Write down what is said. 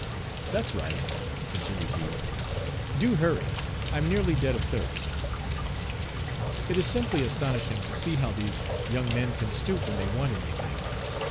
"That's right," continued he; "do hurry. I'm nearly dead of thirst." It is simply astonishing to see how these young men can stoop when they want any thing.